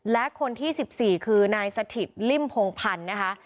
และคนที่๑๔คือนายสถิตริ่มพงพันธ์นะคะ